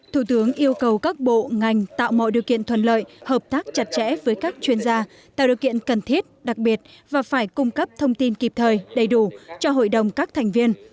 thủ tướng yêu cầu các bộ ngành tạo mọi điều kiện thuận lợi hợp tác chặt chẽ với các chuyên gia tạo điều kiện cần thiết đặc biệt và phải cung cấp thông tin kịp thời đầy đủ cho hội đồng các thành viên